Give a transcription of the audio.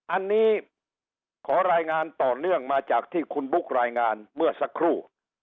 อันนี้ขอรายงานต่อเนื่องมาจากที่คุณบุ๊ครายงานเมื่อสักครู่